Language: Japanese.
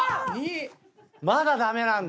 まだ駄目なんだ。